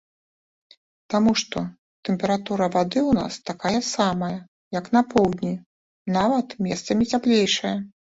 Таму што тэмпература вады ў нас такая самая, як на поўдні, нават месцамі цяплейшая.